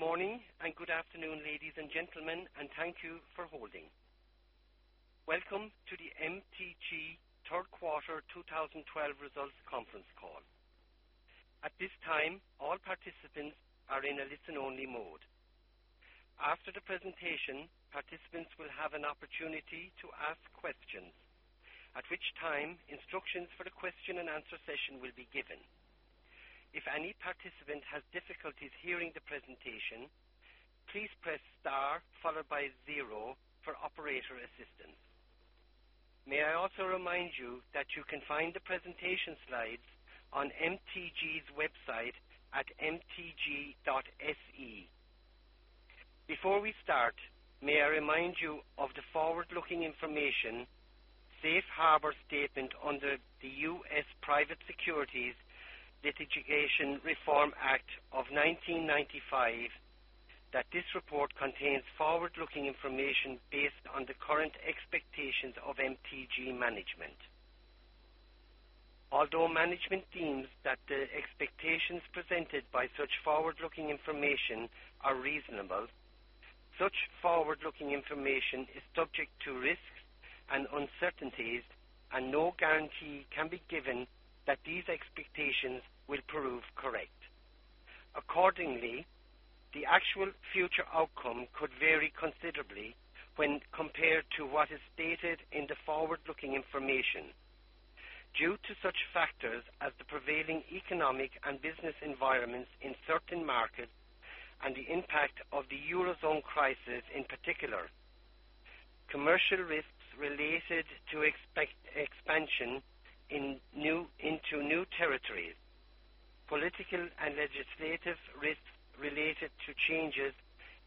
Good morning and good afternoon, ladies and gentlemen, and thank you for holding. Welcome to the MTG Third Quarter 2012 Results Conference Call. At this time, all participants are in a listen-only mode. After the presentation, participants will have an opportunity to ask questions, at which time instructions for the question and answer session will be given. If any participant has difficulties hearing the presentation, please press star followed by zero for operator assistance. May I also remind you that you can find the presentation slides on MTG's website at mtg.se. Before we start, may I remind you of the forward-looking information safe harbor statement under the U.S. Private Securities Litigation Reform Act of 1995, that this report contains forward-looking information based on the current expectations of MTG management. Although management deems that the expectations presented by such forward-looking information are reasonable, such forward-looking information is subject to risks and uncertainties, and no guarantee can be given that these expectations will prove correct. Accordingly, the actual future outcome could vary considerably when compared to what is stated in the forward-looking information due to such factors as the prevailing economic and business environments in certain markets and the impact of the Eurozone crisis, in particular. Commercial risks related to expansion into new territories. Political and legislative risks related to changes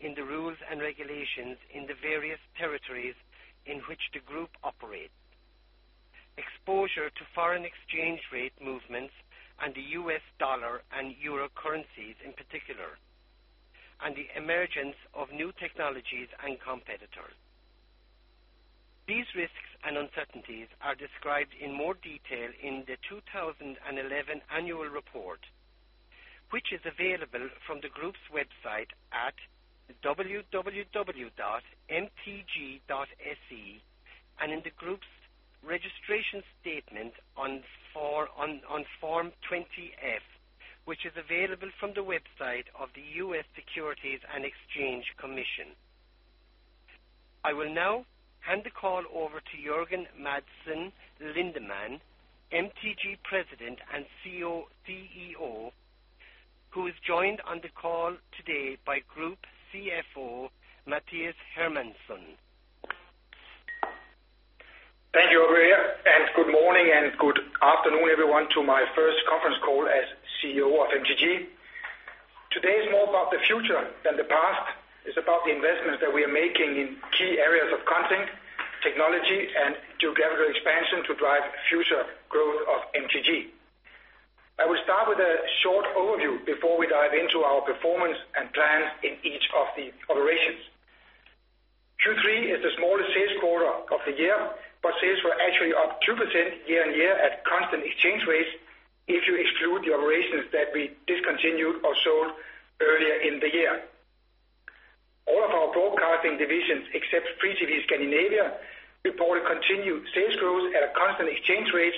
in the rules and regulations in the various territories in which the group operates. Exposure to foreign exchange rate movements and the U.S. dollar and euro currencies in particular, and the emergence of new technologies and competitors. These risks and uncertainties are described in more detail in the 2011 annual report, which is available from the group's website at mtg.se and in the group's registration statement on Form 20-F, which is available from the website of the U.S. Securities and Exchange Commission. I will now hand the call over to Jørgen Madsen Lindemann, MTG President and CEO, who is joined on the call today by Group CFO, Mathias Hermansson. Thank you, Aurelia, good morning and good afternoon, everyone, to my first conference call as CEO of MTG. Today is more about the future than the past. It's about the investments that we are making in key areas of content, technology, and geographical expansion to drive future growth of MTG. I will start with a short overview before we dive into our performance and plans in each of the operations. Q3 is the smallest sales quarter of the year, but sales were actually up 2% year-on-year at constant exchange rates if you exclude the operations that we discontinued or sold earlier in the year. All of our broadcasting divisions, except Free-TV Scandinavia, reported continued sales growth at a constant exchange rate,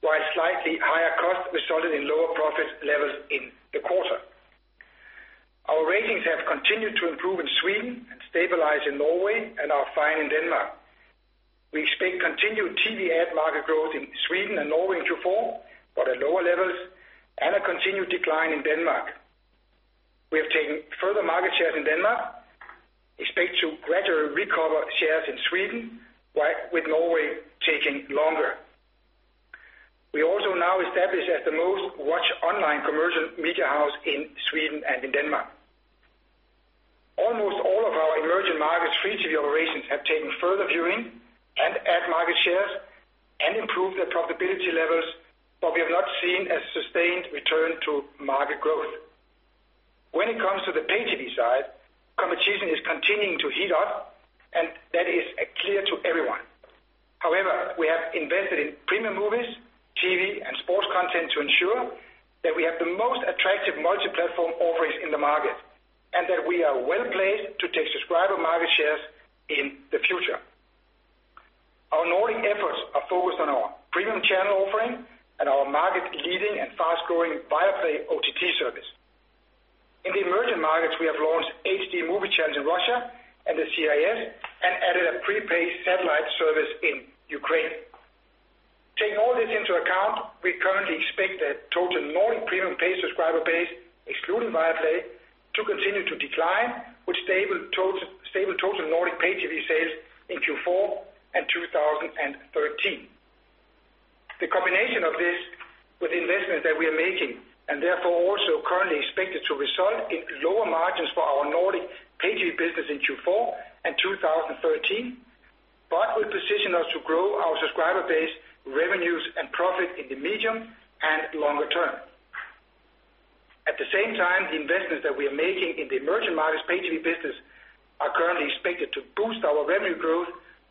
while slightly higher costs resulted in lower profit levels in the quarter. Our ratings have continued to improve in Sweden and stabilized in Norway and are fine in Denmark. We expect continued TV ad market growth in Sweden and Norway in Q4, but at lower levels, and a continued decline in Denmark. We have taken further market shares in Denmark, expect to gradually recover shares in Sweden, while with Norway taking longer. We're also now established as the most watched online commercial media house in Sweden and in Denmark. Almost all of our emerging markets Free-TV operations have taken further viewing and ad market shares and improved their profitability levels, but we have not seen a sustained return to market growth. When it comes to the pay-TV side, competition is continuing to heat up, and that is clear to everyone. We have invested in premium movies, TV, and sports content to ensure that we have the most attractive multi-platform offerings in the market, and that we are well-placed to take subscriber market shares in the future. Our Nordic efforts are focused on our premium channel offering and our market-leading and fast-growing Viaplay OTT service. In the emerging markets, we have launched HD movie channels in Russia and the CIS and added a prepaid satellite service in Ukraine. Taking all this into account, we currently expect the total Nordic premium pay subscriber base, excluding Viaplay, to continue to decline, with stable total Nordic pay-TV sales in Q4 and 2013. The combination of this with investments that we are making and therefore also currently expected to result in lower margins for our Nordic pay-TV business in Q4 and 2013, but will position us to grow our subscriber base revenues and profit in the medium and longer term. At the same time, the investments that we are making in the emerging markets pay-TV business are currently expected to boost our revenue growth,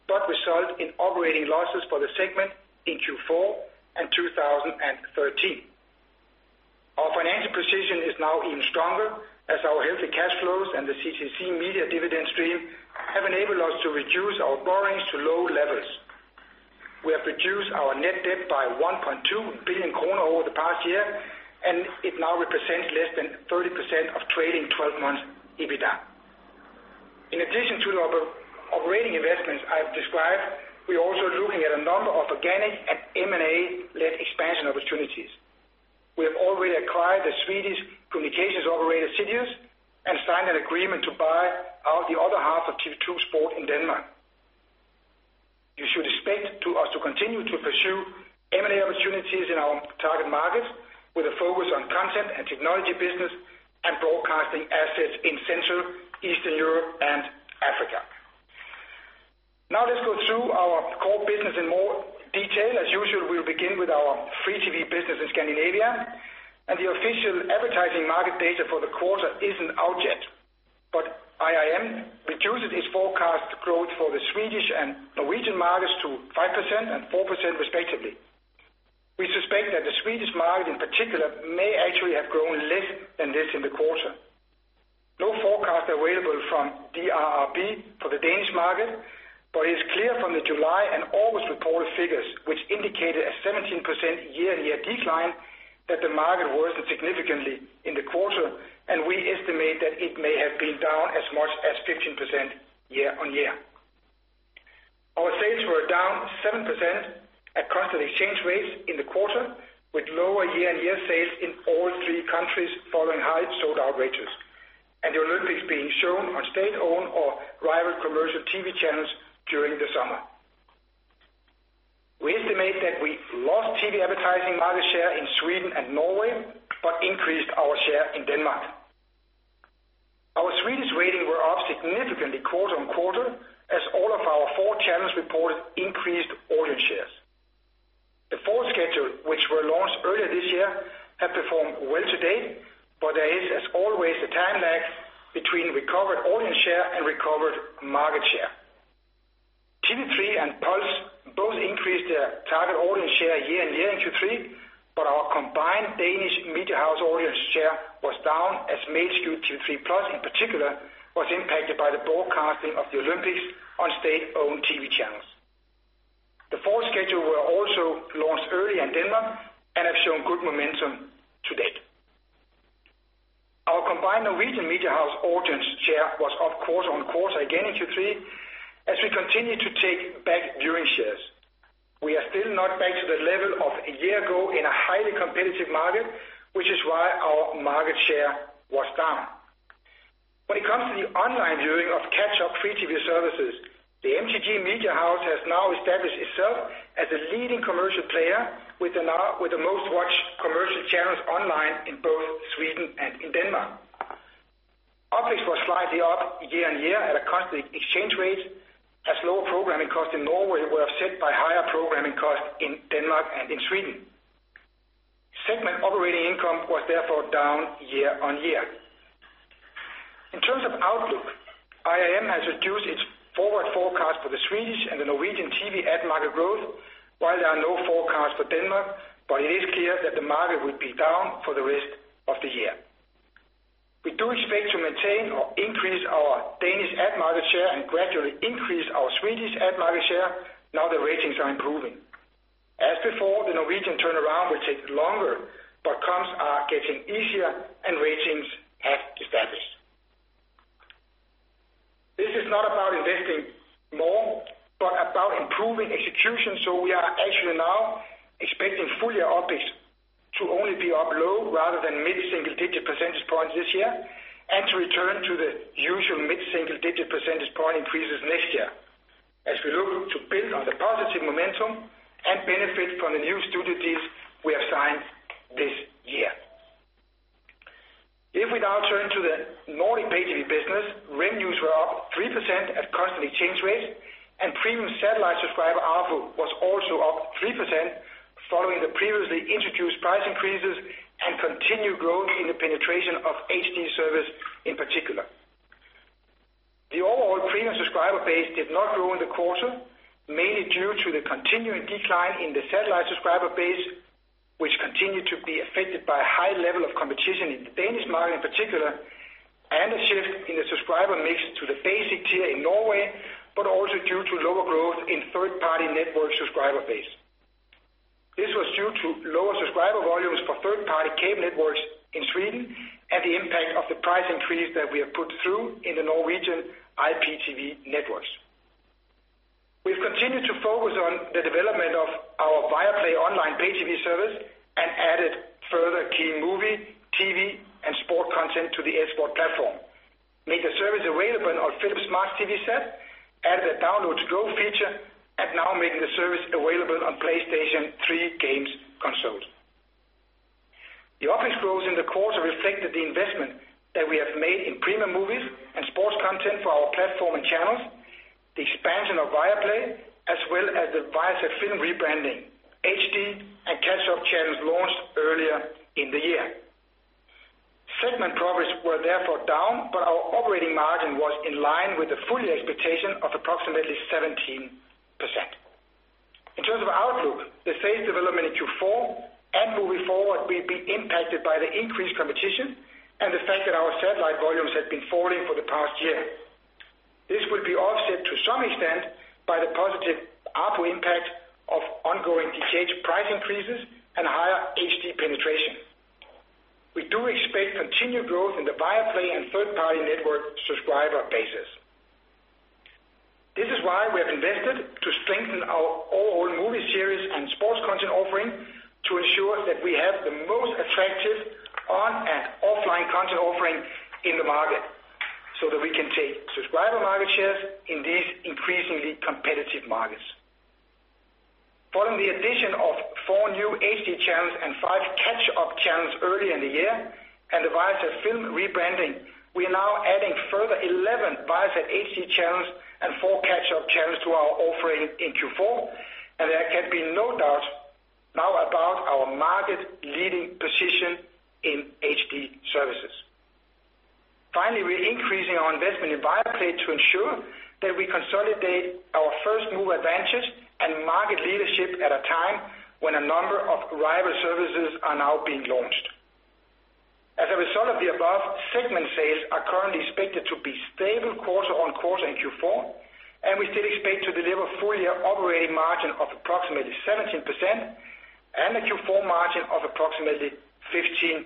but result in operating losses for the segment in Q4 and 2013. Our financial position is now even stronger as our healthy cash flows and the CTC Media dividend stream have enabled us to reduce our borrowings to low levels. We have reduced our net debt by 1.2 billion kronor over the past year, and it now represents less than 30% of trailing 12 months EBITDA. In addition to the operating investments I have described, we are also looking at a number of organic and M&A-led expansion opportunities. We have already acquired the Swedish communications operator Zitius and signed an agreement to buy out the other half of TV 2 Sport in Denmark. You should expect us to continue to pursue M&A opportunities in our target markets with a focus on content and technology business and broadcasting assets in Central, Eastern Europe, and Africa. Let's go through our core business in more detail. As usual, we'll begin with our Free-TV business in Scandinavia. The official advertising market data for the quarter isn't out yet. IRM reduces its forecast growth for the Swedish and Norwegian markets to 5% and 4% respectively. We suspect that the Swedish market, in particular, may actually have grown less than this in the quarter. No forecast available from DRRB for the Danish market, but it is clear from the July and August reported figures, which indicated a 17% year-on-year decline, that the market worsened significantly in the quarter, and we estimate that it may have been down as much as 15% year-on-year. Our sales were down 7% at constant exchange rates in the quarter, with lower year-on-year sales in all three countries following high sold-out ratios and the Olympics being shown on state-owned or rival commercial TV channels during the summer. We estimate that we lost TV advertising market share in Sweden and Norway, but increased our share in Denmark. Our Swedish ratings were up significantly quarter-on-quarter as all of our four channels reported increased audience shares. The fall schedule, which were launched earlier this year, have performed well to date, but there is, as always, a time lag between recovered audience share and recovered market share. TV3 and Puls both increased their target audience share year-on-year in Q3, but our combined Danish media house audience share was down as main Q TV3+, in particular, was impacted by the broadcasting of the Olympics on state-owned TV channels. The fall schedule were also launched early in Denmark and have shown good momentum to date. Our combined Norwegian media house audience share was up quarter-on-quarter again in Q3 as we continue to take back viewing shares. We are still not back to the level of a year ago in a highly competitive market, which is why our market share was down. When it comes to the online viewing of catch-up free TV services, the MTG media house has now established itself as a leading commercial player with the most-watched commercial channels online in both Sweden and in Denmark. OpEx was slightly up year-on-year at a constant exchange rate as lower programming costs in Norway were offset by higher programming costs in Denmark and in Sweden. Segment operating income was therefore down year-on-year. In terms of outlook, IRM has reduced its forward forecast for the Swedish and the Norwegian TV ad market growth, while there are no forecasts for Denmark, but it is clear that the market will be down for the rest of the year. We do expect to maintain or increase our Danish ad market share and gradually increase our Swedish ad market share now the ratings are improving. As before, the Norwegian turnaround will take longer, but comps are getting easier and ratings have established. This is not about investing more, but about improving execution, so we are actually now expecting full-year OpEx to only be up low rather than mid-single-digit percentage points this year, and to return to the usual mid-single-digit percentage point increases next year as we look to build on the positive momentum and benefit from the new studio deals we have signed this year. If we now turn to the Nordic pay TV business, revenues were up 3% at constant exchange rates, and premium satellite subscriber ARPO was also up 3% following the previously introduced price increases and continued growth in the penetration of HD service in particular. The overall premium subscriber base did not grow in the quarter, mainly due to the continuing decline in the satellite subscriber base, which continued to be affected by a high level of competition in the Danish market in particular, and a shift in the subscriber mix to the basic tier in Norway, but also due to lower growth in third-party network subscriber base. This was due to lower subscriber volumes for third-party cable networks in Sweden and the impact of the price increase that we have put through in the Norwegian IPTV networks. We've continued to focus on the development of our Viaplay online pay TV service and added further key movie, TV, and sport content to the Sport platform, made the service available on Philips Smart TV sets, added a download-to-go feature, and now making the service available on PlayStation 3 games consoles. The OpEx growth in the quarter reflected the investment that we have made in premium movies and sports content for our platform and channels. The expansion of Viaplay, as well as the Viasat Film rebranding, HD and catch-up channels launched earlier in the year. Segment profits were therefore down, but our operating margin was in line with the full year expectation of approximately 17%. In terms of outlook, the sales development in Q4 and moving forward will be impacted by the increased competition and the fact that our satellite volumes have been falling for the past year. This will be offset to some extent by the positive ARPU impact of ongoing DTH price increases and higher HD penetration. We do expect continued growth in the Viaplay and third-party network subscriber bases. This is why we have invested to strengthen our overall movie series and sports content offering to ensure that we have the most attractive on and offline content offering in the market, so that we can take subscriber market shares in these increasingly competitive markets. Following the addition of four new HD channels and five catch-up channels early in the year and the Viasat Film rebranding, we are now adding a further 11 Viasat HD channels and four catch-up channels to our offering in Q4. There can be no doubt now about our market-leading position in HD services. Finally, we're increasing our investment in Viaplay to ensure that we consolidate our first-mover advantages and market leadership at a time when a number of rival services are now being launched. As a result of the above, segment sales are currently expected to be stable quarter-on-quarter in Q4. We still expect to deliver full-year operating margin of approximately 17% and a Q4 margin of approximately 15%.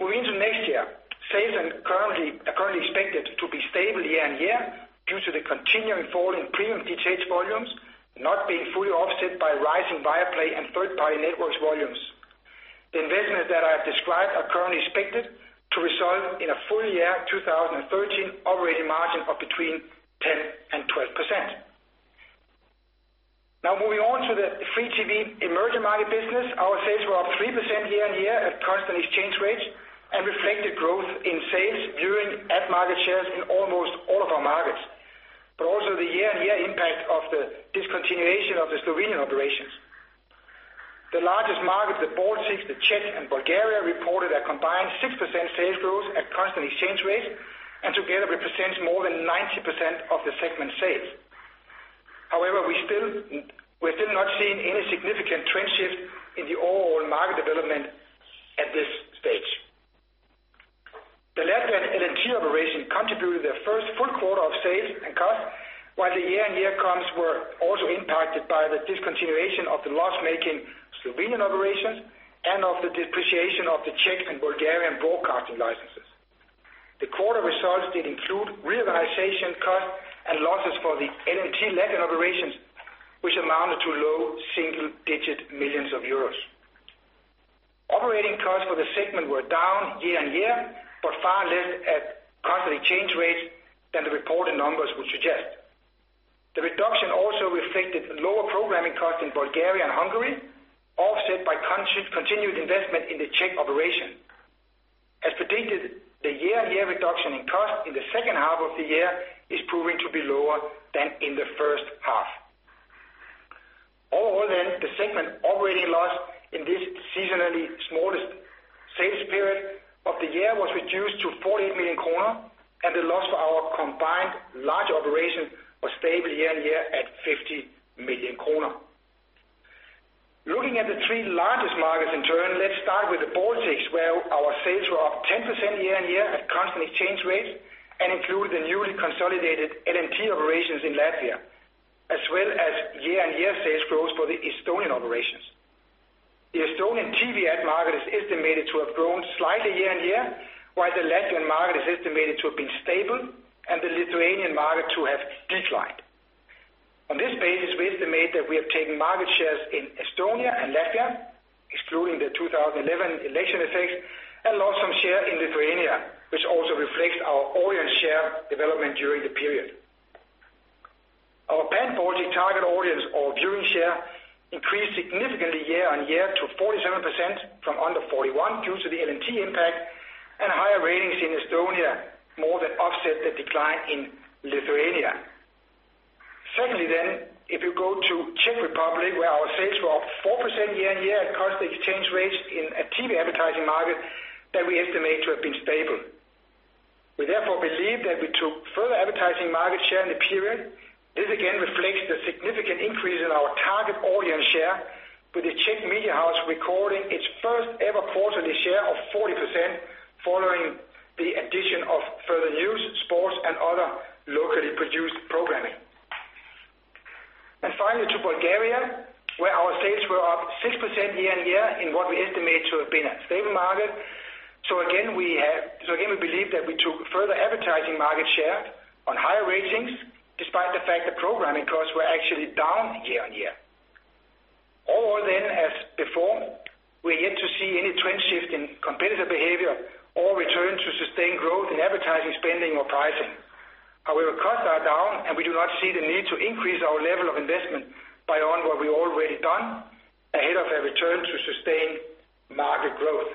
Moving to next year, sales are currently expected to be stable year-on-year due to the continuing fall in premium DTH volumes not being fully offset by rising Viaplay and third-party networks volumes. The investments that I have described are currently expected to result in a full-year 2013 operating margin of between 10% and 12%. Moving on to the Free TV emerging market business. Our sales were up 3% year-on-year at constant exchange rates and reflect the growth in sales, viewing, ad market shares in almost all of our markets, but also the year-on-year impact of the discontinuation of the Slovenian operations. The largest markets, the Baltics, the Czech and Bulgaria, reported a combined 6% sales growth at constant exchange rates and together represents more than 90% of the segment sales. However, we're still not seeing any significant trend shift in the overall market development at this stage. The Latvian LNT operation contributed their first full quarter of sales and costs, while the year-on-year costs were also impacted by the discontinuation of the loss-making Slovenian operations and of the depreciation of the Czech and Bulgarian broadcasting licenses. The quarter results did include realization costs and losses for the LNT Latvian operations, which amounted to low single-digit millions of EUR. Operating costs for the segment were down year-on-year, but far less at constant exchange rates than the reported numbers would suggest. The reduction also reflected lower programming costs in Bulgaria and Hungary, offset by continued investment in the Czech operation. As predicted, the year-on-year reduction in cost in the second half of the year is proving to be lower than in the first half. All in all, the segment operating loss in this seasonally smallest sales period of the year was reduced to 48 million kronor, and the loss for our combined large operation was stable year-on-year at 50 million kronor. Looking at the three largest markets in turn, let's start with the Baltics, where our sales were up 10% year-on-year at constant exchange rates and include the newly consolidated LNT operations in Latvia, as well as year-on-year sales growth for the Estonian operations. The Estonian TV ad market is estimated to have grown slightly year-on-year, while the Latvian market is estimated to have been stable and the Lithuanian market to have declined. On this basis, we estimate that we have taken market shares in Estonia and Latvia, excluding the 2011 election effect, and lost some share in Lithuania, which also reflects our audience share development during the period. Our pan-Baltic target audience or viewing share increased significantly year-on-year to 47% from under 41% due to the LNT impact and higher ratings in Estonia more than offset the decline in Lithuania. Secondly, if you go to Czech Republic, where our sales were up 4% year-on-year at constant exchange rates in a TV advertising market that we estimate to have been stable. We therefore believe that we took further advertising market share in the period. This again reflects the significant increase in our target audience share with the Czech Media House recording its first ever quarterly share of 40% following the addition of further news, sports, and other locally produced programming. Finally, to Bulgaria, where our sales were up 6% year-on-year in what we estimate to have been a stable market. Again, we believe that we took further advertising market share on higher ratings despite the fact that programming costs were actually down year-on-year. All in all, as before, we're yet to see any trend shift in competitor behavior or return to sustained growth in advertising spending or pricing. However, costs are down, and we do not see the need to increase our level of investment beyond what we've already done ahead of a return to sustained market growth.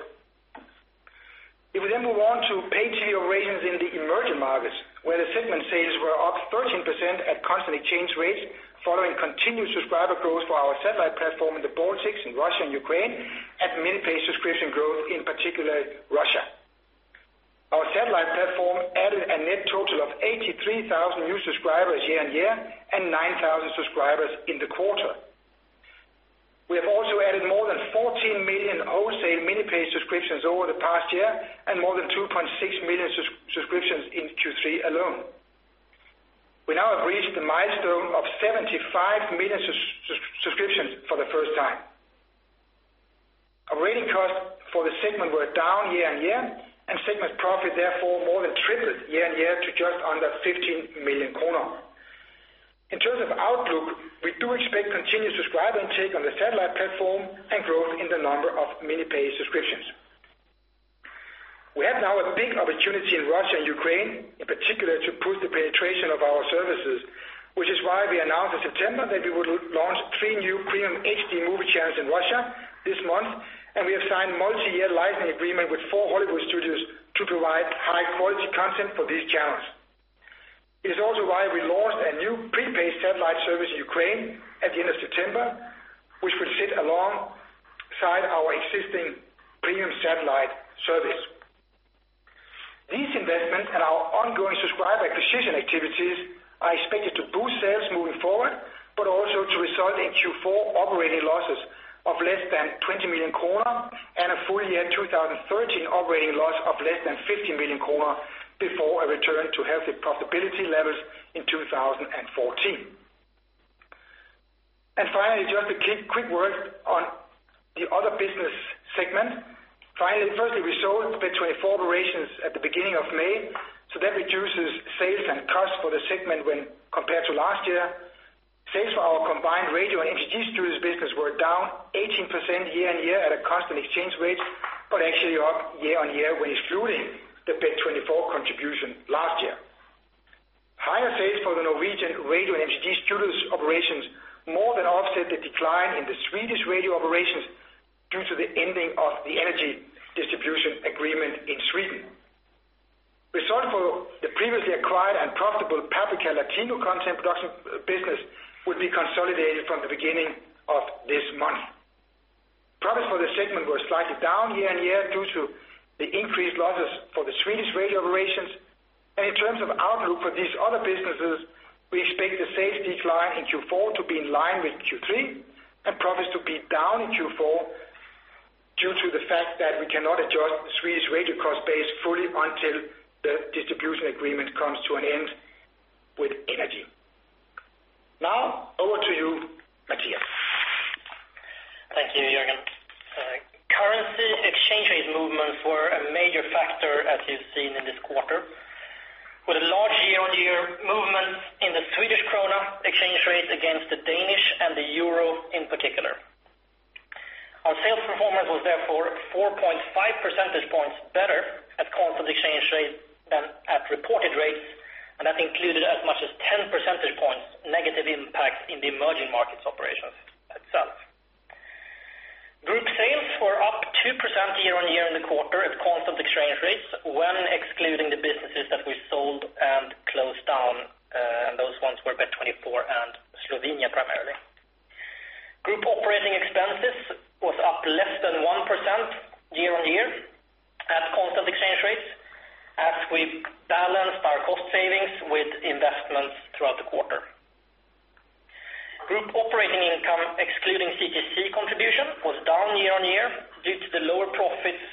If we move on to pay TV operations in the emerging markets, where the segment sales were up 13% at constant exchange rates following continued subscriber growth for our satellite platform in the Baltics, in Russia and Ukraine, and mini-pay subscription growth in particular Russia. Our satellite platform added a net total of 83,000 new subscribers year-on-year and 9,000 subscribers in the quarter. We have also added more than 14 million wholesale mini-pay subscriptions over the past year and more than 2.6 million subscriptions in Q3 alone. We now have reached the milestone of 75 million subscriptions for the first time. Operating costs for the segment were down year-on-year, and segment profit therefore more than tripled year-on-year to just under 15 million kronor. In terms of outlook, we do expect continued subscriber intake on the satellite platform and growth in the number of mini-pay subscriptions. We have now a big opportunity in Russia and Ukraine, in particular to boost the penetration of our services, which is why we announced in September that we would launch three new premium HD movie channels in Russia this month. We have signed multi-year licensing agreement with four Hollywood studios to provide high-quality content for these channels. It is also why we launched a new pre-pay satellite service in Ukraine at the end of September, which will sit alongside our existing premium satellite service. These investments and our ongoing subscriber acquisition activities are expected to boost sales moving forward, but also to result in Q4 operating losses of less than 20 million kronor and a full year 2013 operating loss of less than 50 million kronor before a return to healthy profitability levels in 2014. Finally, just a quick word on the other business segment. Firstly, we sold Bet24 operations at the beginning of May, so that reduces sales and costs for the segment when compared to last year. Sales for our combined radio and energy distribution business were down 18% year-on-year at a constant exchange rate, but actually up year-on-year when excluding the Bet24 contribution last year. Higher sales for the Norwegian radio energy distribution operations more than offset the decline in the Swedish radio operations due to the ending of the energy distribution agreement in Sweden. Result for the previously acquired and profitable Paprika Latino content production business will be consolidated from the beginning of this month. Profits for the segment were slightly down year-on-year due to the increased losses for the Swedish radio operations. In terms of outlook for these other businesses, we expect the sales decline in Q4 to be in line with Q3 and profits to be down in Q4 due to the fact that we cannot adjust the Swedish radio cost base fully until the distribution agreement comes to an end with energy. Now over to you, Mathias. Thank you, Jørgen. Currency exchange rate movements were a major factor as you've seen in this quarter, with large year-on-year movements in the SEK exchange rate against the DKK and the EUR in particular. Our sales performance was therefore 4.5 percentage points better at constant exchange rates than at reported rates. That included as much as 10 percentage points negative impact in the emerging markets operations itself. Group sales were up 2% year-on-year in the quarter at constant exchange rates when excluding the businesses that we sold and closed down. Those ones were Bet24 and Slovenia primarily. Group operating expenses was up less than 1% year-on-year at constant exchange rates as we balanced our cost savings with investments throughout the quarter. Group operating income excluding CTC contribution was down year-on-year due to the lower profits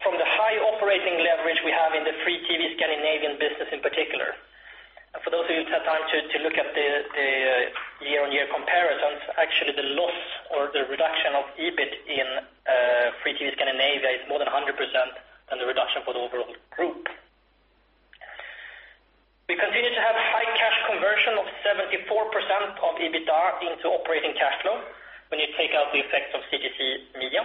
from the high operating leverage we have in the free TV Scandinavian business in particular. For those of you who had time to look at the year-on-year comparisons, actually the loss or the reduction of EBIT in free TV Scandinavia is more than 100% than the reduction for the overall group. We continue to have high cash conversion of 74% of EBITDA into operating cash flow when you take out the effect of CTC Media.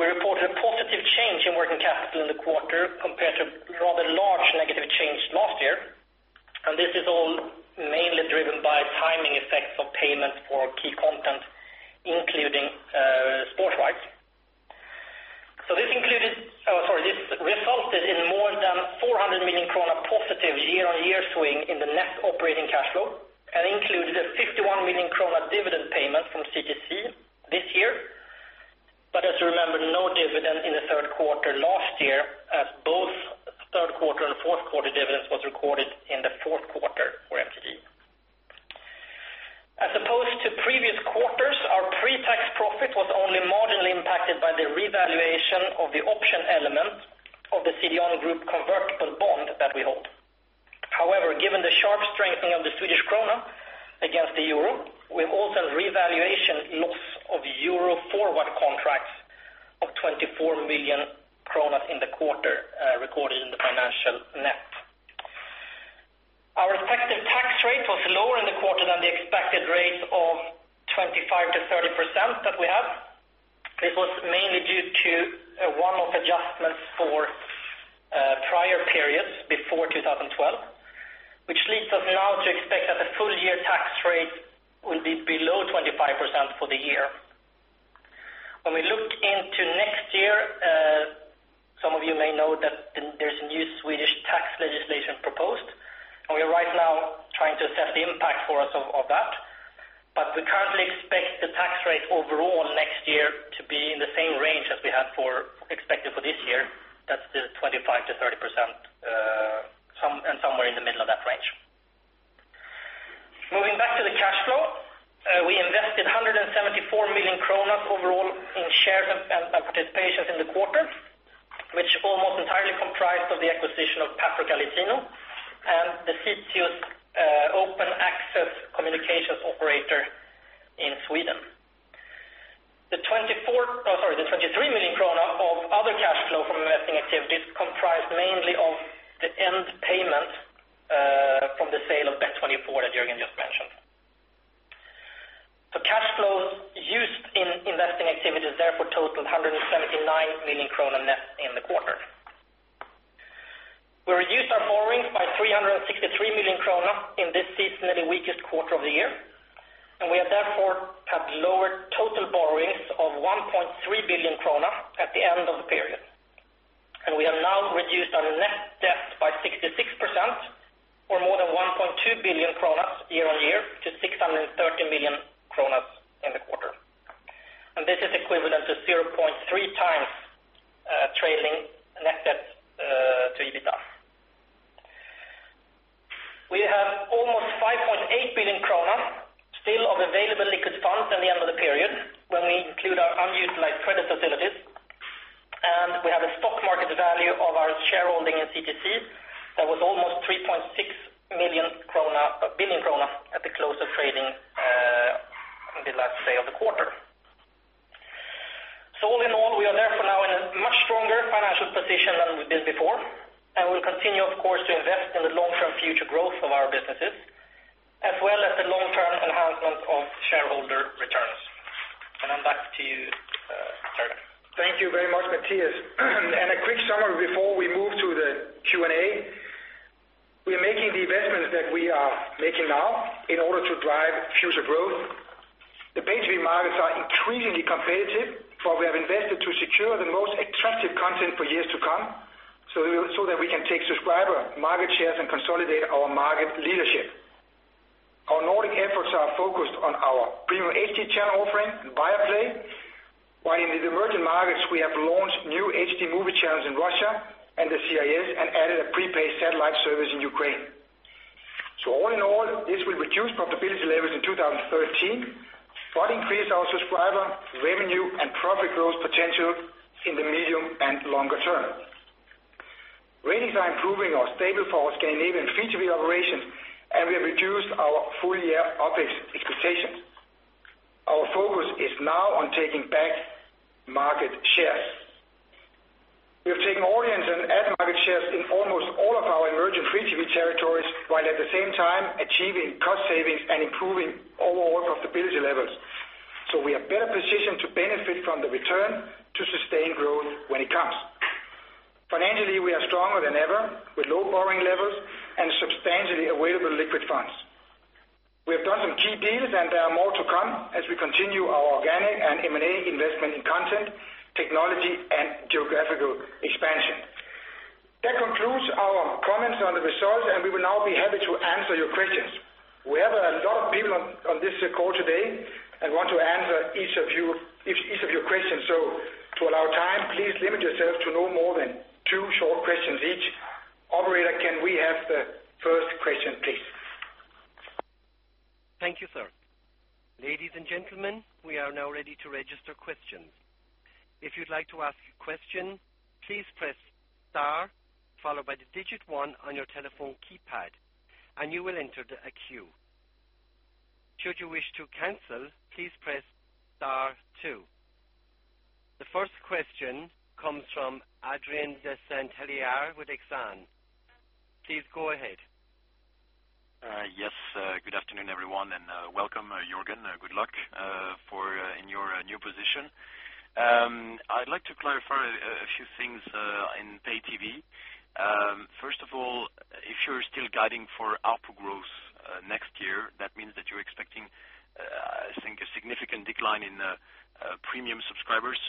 We reported a positive change in working capital in the quarter compared to rather large negative change last year. This is all mainly driven by timing effects of payments for key content, including sport rights. This resulted in more than 400 million krona positive year-on-year swing in the net operating cash flow. Included a 51 million krona dividend payment from CTC this year. As you remember, no dividend in the third quarter last year as both third quarter and fourth quarter dividends was recorded in the fourth quarter for MTG. As opposed to previous quarters, our pre-tax profit was only marginally impacted by the revaluation of the option element of the CDON Group convertible bond that we hold. However, given the sharp strengthening of the SEK against the EUR, we have also revaluation loss of EUR forward contracts of 24 million kronor in the quarter, recorded in the financial net. Our effective tax rate was lower in the quarter than the expected rate of 25%-30% that we have. This was mainly due to a one-off adjustment for prior periods before 2012. Which leads us now to expect that the full-year tax rate will be below 25% for the year. When we look into next year, some of you may know that there's a new Swedish tax legislation proposed. We are right now trying to assess the impact for us of that. We currently expect the tax rate overall next year to be in the same range as we had expected for this year. That's the 25%-30%, somewhere in the middle of that range. Moving back to the cash flow. We invested 174 million kronor overall in shares and participations in the quarter, which almost entirely comprised of the acquisition of Paprika Latino and Zitius open access communications operator in Sweden. The 23 million krona of other cash flow from investing activities comprised mainly of the end payment from the sale of Bet24 that Jørgen just mentioned. Cash flows used in investing activities therefore totaled 179 million krona net in the quarter. We reduced our borrowings by 363 million krona in this seasonally weakest quarter of the year, and we have therefore had lower total borrowings of 1.3 billion krona at the end of the period. We have now reduced our net debt by 66%, or more than 1.2 billion kronor year-on-year to 630 million kronor in the quarter. This is equivalent to 0.3 times trailing net debt to EBITDA. We have almost 5.8 billion kronor still of available liquid funds in the end of the period when we include our unutilized credit facilities, and we have a stock market value of our shareholding in CTC that was almost 3.6 billion krona at the close of trading on the last day of the quarter. All in all, we are therefore now in a much stronger financial position than we've been before, and we'll continue, of course, to invest in the long-term future growth of our businesses, as well as the long-term enhancement of shareholder returns. I'm back to you, Jørgen. Thank you very much, Mathias. A quick summary before we move to the Q&A. We are making the investments that we are making now in order to drive future growth. The pay TV markets are increasingly competitive, for we have invested to secure the most attractive content for years to come, so that we can take subscriber market shares and consolidate our market leadership. Our Nordic efforts are focused on our premium HD channel offering and Viaplay, while in the emerging markets, we have launched new HD movie channels in Russia and the CIS and added a prepaid satellite service in Ukraine. All in all, this will reduce profitability levels in 2013, but increase our subscriber revenue and profit growth potential in the medium and longer term. Ratings are improving our stable forward Scandinavian free TV operations, and we have reduced our full-year OpEx expectations. Our focus is now on taking back market shares. We have taken audience and ad market shares in almost all of our emerging free TV territories, while at the same time achieving cost savings and improving overall profitability levels. We are better positioned to benefit from the return to sustained growth when it comes. Financially, we are stronger than ever with low borrowing levels and substantially available liquid funds. We have done some key deals and there are more to come as we continue our organic and M&A investment in content, technology and geographical expansion. That concludes our comments on the results, we will now be happy to answer your questions. We have a lot of people on this call today and want to answer each of your questions. To allow time, please limit yourself to no more than two short questions each. Operator, can we have the first question, please? Thank you, sir. Ladies and gentlemen, we are now ready to register questions. If you'd like to ask a question, please press star, followed by the digit one on your telephone keypad, and you will enter the queue. Should you wish to cancel, please press star two. The first question comes from Adrien de Saint Hilaire with Exane. Please go ahead. Yes. Good afternoon, everyone, and welcome, Jørgen. Good luck in your new position. I'd like to clarify a few things in pay TV. First of all, if you're still guiding for ARPU growth next year, that means that you're expecting, I think, a significant decline in premium subscribers.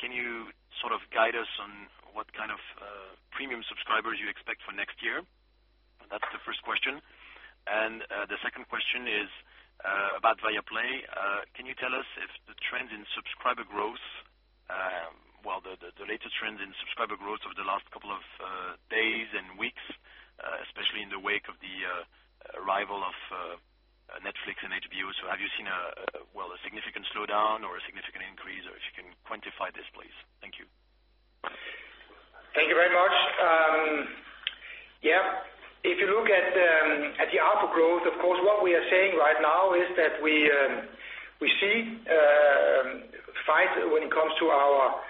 Can you sort of guide us on what kind of premium subscribers you expect for next year? That's the first question. The second question is about Viaplay. Can you tell us if the trend in subscriber growth, well, the latest trend in subscriber growth over the last couple of days and weeks, especially in the wake of the arrival of Netflix and HBO. Have you seen a significant slowdown or a significant increase, or if you can quantify this, please? Thank you. Thank you very much. If you look at the ARPU growth, of course, what we are saying right now is that we see fights when it comes to our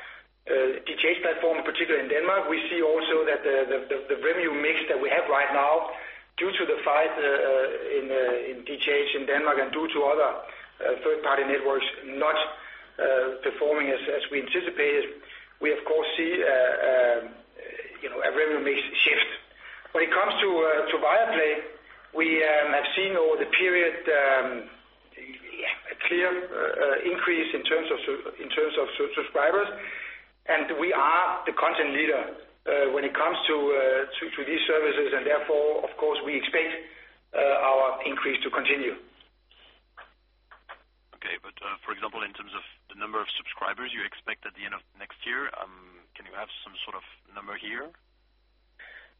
DTH platform, particularly in Denmark. We see also that the revenue mix that we have right now due to the fight in DTH in Denmark and due to other third-party networks not performing as we anticipated, we of course see a revenue mix shift. When it comes to Viaplay, we have seen over the period a clear increase in terms of subscribers, we are the content leader when it comes to these services and therefore, of course, we expect our increase to continue. Okay. For example, in terms of the number of subscribers you expect at the end of next year, can you have some sort of number here?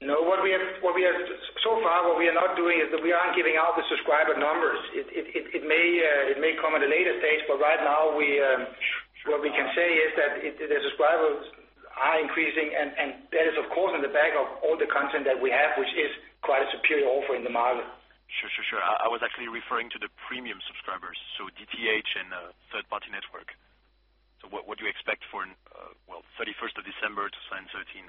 No. Far what we are not doing is that we aren't giving out the subscriber numbers. It may come at a later stage, but right now what we can say is that the subscribers are increasing and that is of course on the back of all the content that we have, which is quite a superior offer in the market. Sure. I was actually referring to the premium subscribers, so DTH and third-party network. What do you expect for 31st of December 2013?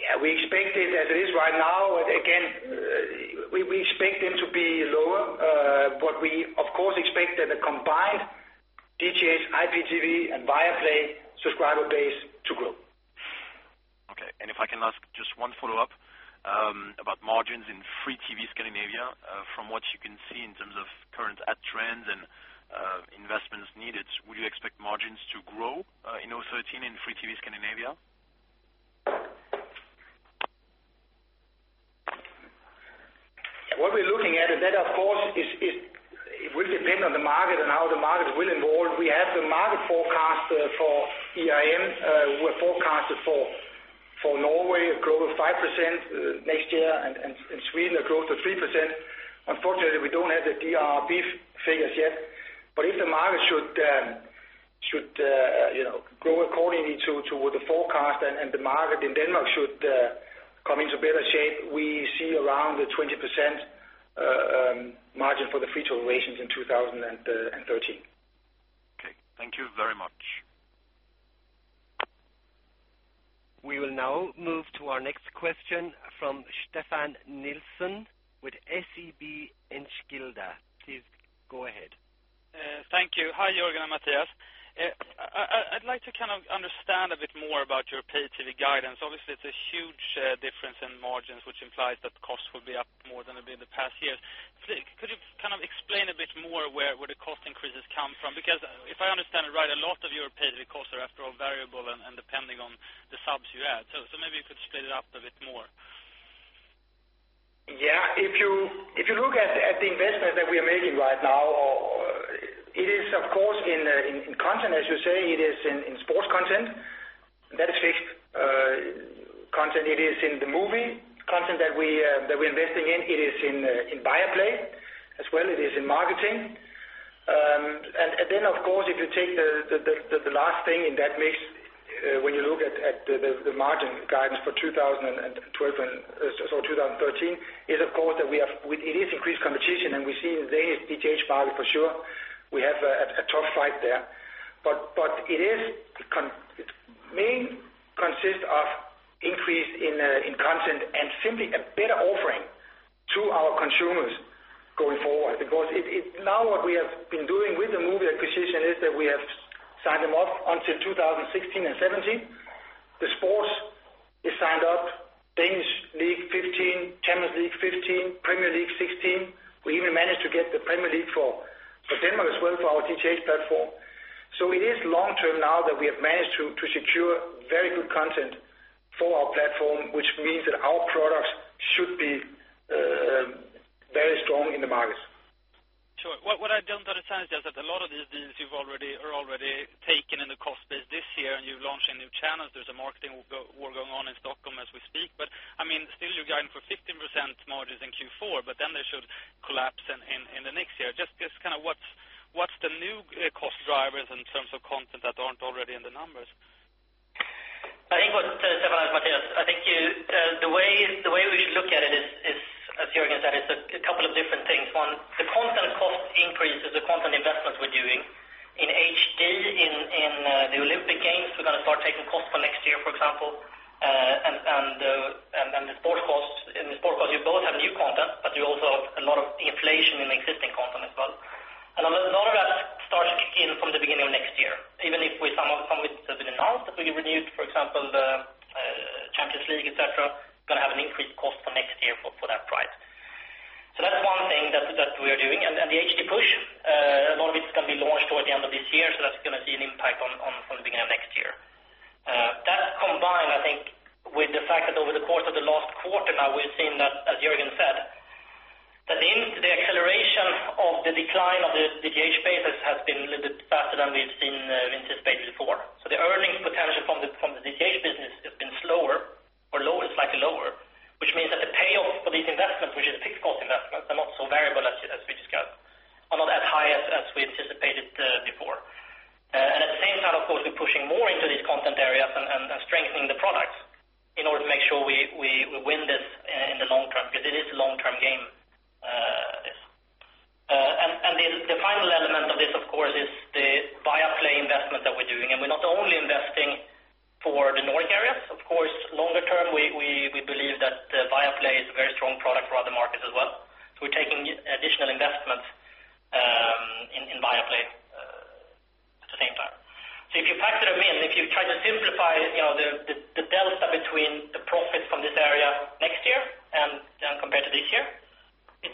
Yeah, we expect it, as it is right now, again, we expect them to be lower, but we of course expect that the combined DTH, IPTV, and Viaplay subscriber base to grow. Okay. If I can ask just one follow-up about margins in Free-TV Scandinavia. From what you can see in terms of current ad trends and investments needed, will you expect margins to grow in 2013 in Free-TV Scandinavia? What we're looking at is that, of course, it will depend on the market and how the market will evolve. We have the market forecast for IRM. We're forecasted for Norway a growth of 5% next year, and in Sweden, a growth of 3%. Unfortunately, we don't have the DR figures yet, but if the market should grow accordingly to the forecast and the market in Denmark should come into better shape, we see around a 20% margin for the Free-TV in 2013. Okay. Thank you very much. We will now move to our next question from Stefan Nilsson with SEB Enskilda. Please go ahead. Thank you. Hi, Jørgen and Mathias. I'd like to kind of understand a bit more about your pay-TV guidance. Obviously, it's a huge difference in margins, which implies that costs will be up more than they've been in the past years. Could you kind of explain a bit more where the cost increases come from? Because if I understand it right, a lot of your pay-TV costs are after all variable and depending on the subs you add. So maybe you could split it up a bit more. Yeah. If you look at the investment that we are making right now, it is of course in content, as you say. It is in sports content. That is fixed content. It is in the movie content that we're investing in. It is in Viaplay as well. It is in marketing. Then, of course, if you take the last thing in that mix, when you look at the margin guidance for 2013, is of course that it is increased competition, and we see in the DTH market for sure, we have a tough fight there. It mainly consists of increase in content and simply a better offering to our consumers going forward. Because now what we have been doing with the movie acquisition is that we have signed them off until 2016 and 2017. The sports is signed up, Danish Superliga 2015, Champions League 2015, Premier League 2016. We even managed to get the Premier League for Denmark as well for our DTH platform. It is long-term now that we have managed to secure very good content for our platform, which means that our products should be very strong in the market. Sure. What I don't understand is that a lot of these deals are already taken in the cost base this year, and you're launching new channels. There's a marketing war going on in Stockholm as we speak. Still, you're guiding for 15% margins in Q4, but then they should collapse in the next year. Just kind of what's the new cost drivers in terms of content that aren't already in the numbers? Stefan, Mathias, the way we should look at it is, as Jørgen said, it's a couple of different things. One, the content cost increase is the content investments we're doing in HD, in the Olympic Games. We're going to start taking cost from next year, for example, and the sports costs. In the sports costs, you both have new content, but you also have a lot of inflation in existing content as well. A lot of that starts kicking in from the beginning of next year. Even if some of it has been announced, that we renewed, for example, the Champions League, et cetera, we're going to have an increased cost for next year for that price. That's one thing that we are doing. The HD push, a lot of it's going to be launched toward the end of this year, that's going to see an impact from the beginning of next year. That combined with the fact that over the course of the last quarter now, we've seen that, as Jørgen said, that the acceleration of the decline of the DTH bases has been a little bit faster than we've anticipated before. The earnings potential from the DTH business has been slower or slightly lower, which means that the payoff for these investments, which is fixed cost investments, they're not so variable as we discussed, are not as high as we anticipated before. At the same time, of course, we're pushing more into these content areas and strengthening the products in order to make sure we win this in the long term, because it is long-term For the Nordic area, of course, longer term, we believe that Viaplay is a very strong product for other markets as well. We're taking additional investment in Viaplay at the same time. If you factor them in, if you try to simplify the delta between the profits from this area next year and compared to this year, if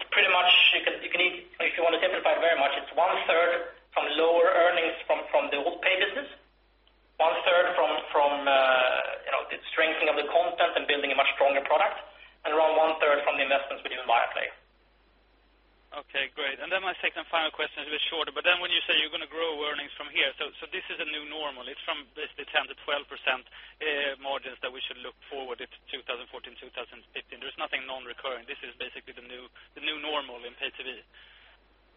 you want to simplify it very much, it's one third from lower earnings from the old pay business, one third from the strengthening of the content and building a much stronger product, and around one third from the investments we do in Viaplay. Okay, great. My second and final question is a bit shorter, when you say you're going to grow earnings from here, this is a new normal. It's from the 10%-12% margins that we should look forward to 2014, 2015. There's nothing non-recurring. This is basically the new normal in pay TV.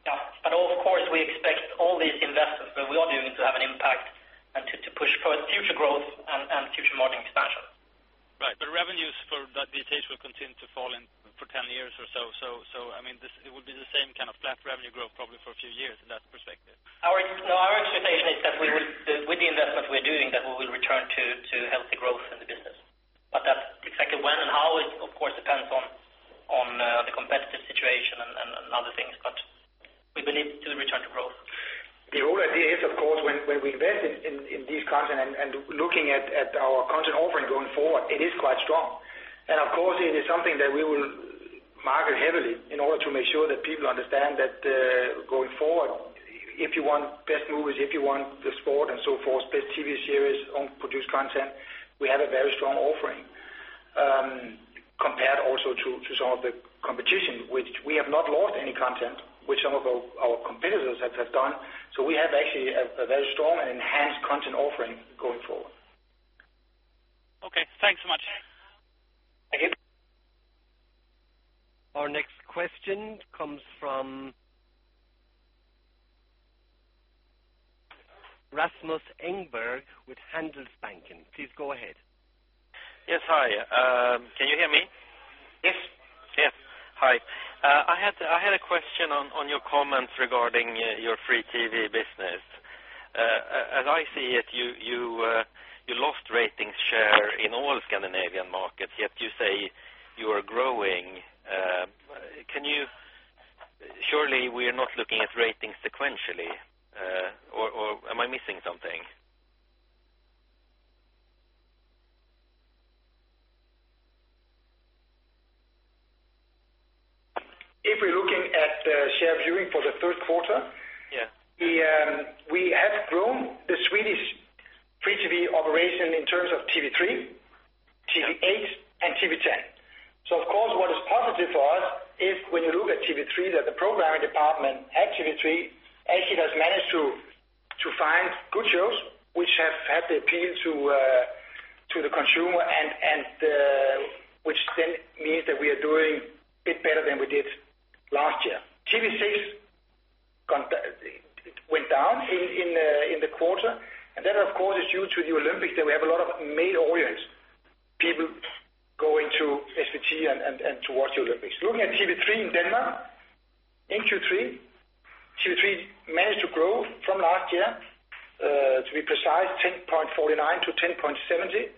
Of course, we expect all these investments that we are doing to have an impact and to push further future growth and future margin expansion. Revenues for that DTH will continue to fall in for 10 years or so. It will be the same kind of flat revenue growth probably for a few years in that perspective. Our expectation is that with the investment we're doing, that we will return to healthy growth in the business. Exactly when and how, it of course depends on the competitive situation and other things, we believe it will return to growth. The whole idea is, of course, when we invest in this content and looking at our content offering going forward, it is quite strong. Of course, it is something that we will market heavily in order to make sure that people understand that going forward, if you want best movies, if you want the sport and so forth, best TV series, own produced content, we have a very strong offering. Compared also to some of the competition, which we have not lost any content, which some of our competitors have done. We have actually a very strong and enhanced content offering going forward. Okay, thanks so much. Thank you. Our next question comes from Rasmus Engberg with Handelsbanken. Please go ahead. Yes. Hi. Can you hear me? Yes. Yeah. Hi. I had a question on your comments regarding your Free-TV business. As I see it, you lost ratings share in all Scandinavian markets, yet you say you are growing. Surely we are not looking at ratings sequentially or am I missing something? If we're looking at the share viewing for the third quarter, Yeah we have grown the Swedish Free-TV operation in terms of TV3, TV8, and TV10. Of course, what is positive for us is when you look at TV3, that the programming department at TV3 actually has managed to find good shows which have had the appeal to the consumer and which then means that we are doing a bit better than we did last year. TV6 went down in the quarter. That, of course, is due to the Olympics, that we have a lot of male audience, people going to SVT and to watch the Olympics. Looking at TV3 in Denmark, in Q3, TV3 managed to grow from last year, to be precise, 10.49 to 10.70.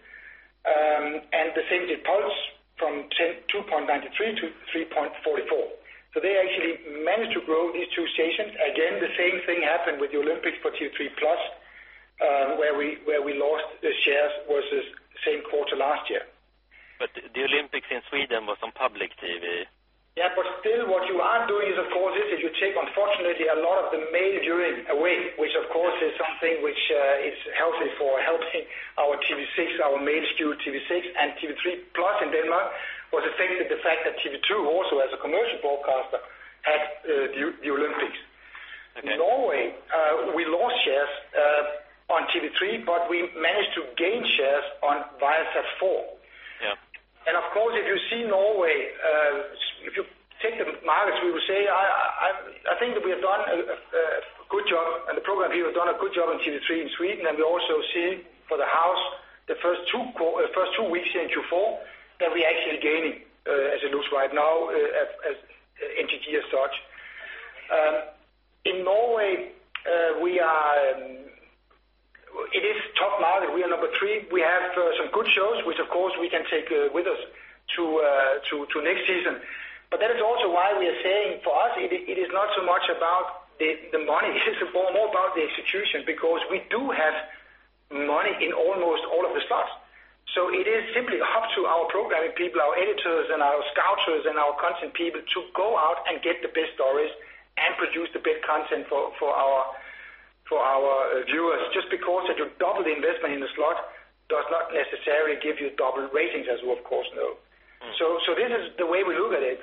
The same did Puls from 2.93 to 3.44. They actually managed to grow these two stations. Again, the same thing happened with the Olympics for TV3+, where we lost the shares versus same quarter last year. The Olympics in Sweden was on public TV. Still what you are doing is, of course, is that you take, unfortunately, a lot of the male viewing away, which of course is something which is healthy for helping our TV6, our main stew TV6. TV3+ in Denmark was affected the fact that TV 2 also as a commercial broadcaster had the Olympics. Okay. In Norway, we lost shares on TV3, but we managed to gain shares on Viasat 4. Yeah. Of course, if you see Norway, if you take the markets, we will say, I think that we have done a good job and the program people have done a good job on TV3 in Sweden, and we also see for the house, the first two weeks in Q4, that we actually gaining, as it looks right now, as entity as such. In Norway, it is tough now that we are number 3. We have some good shows, which of course we can take with us to next season. That is also why we are saying for us, it is not so much about the money. It's more about the execution because we do have money in almost all of the slots. It is simply up to our programming people, our editors, and our scouters, and our content people to go out and get the best stories and produce the best content for our viewers. Just because that you double the investment in the slot does not necessarily give you double ratings, as you of course know. This is the way we look at it.